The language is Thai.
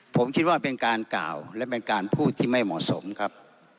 ผมคิดว่าเป็นการกล่าวและเป็นการพูดที่ไม่เหมาะสมครับ